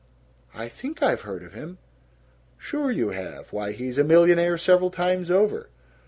"I think I've heard of him." "Sure you have. Why, he's a millionaire several times over!